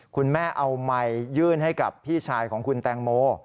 คุณแม่เอาไมค์ยื่นให้กับพี่ชายของคุณแตงโม